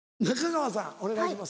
中川さんお願いします。